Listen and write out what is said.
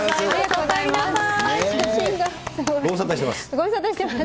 ご無沙汰しております。